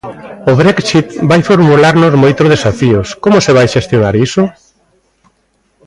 O Brexit vai formularnos moitos desafíos, como se vai xestionar iso?